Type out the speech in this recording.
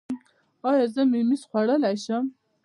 ایا زه ممیز خوړلی شم؟